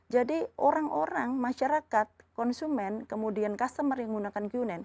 jadi orang orang masyarakat konsumen kemudian customer yang menggunakan q sembilan